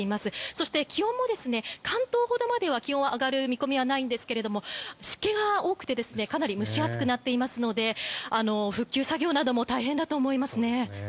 そして、気温も関東ほどまでは気温は上がる見込みはないんですが湿気が多くてかなり蒸し暑くなっていますので復旧作業なども大変だと思います。